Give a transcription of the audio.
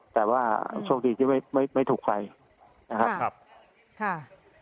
แต่ว่าโชคดียิ่งไม่ไม่ไม่ถูกไฟนะครับค่ะค่ะ